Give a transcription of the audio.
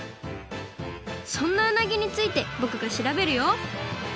そんなうなぎについてぼくがしらべるよ。